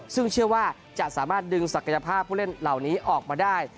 ซึ่งเชื่อว่าจะสามารถดึงศักยภาพผู้เล่นเหล่านี้ออกมาได้